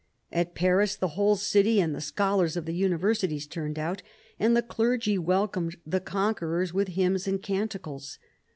At Paris the whole city and the scholars of the university turned out, and the clergy welcomed the conquerors with hymns and canticles.